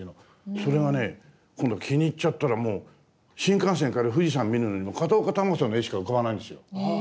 それがね今度気に入っちゃったらもう新幹線から富士山見るのにも片岡球子さんの絵しか浮かばないんですよ。